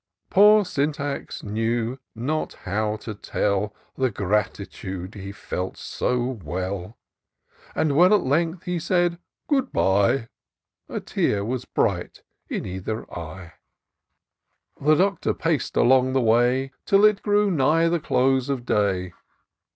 Poor Syntax knew not how to tell The gratitude he felt so well ; And, when at length he said— ^" Good bye !" A tear was bright in either eye. The Doctor pac'd along the way, Till it grew nigh the close of day.